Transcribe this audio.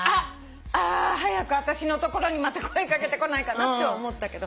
あ早く私のところにまた声掛けてこないかなって思ったけど。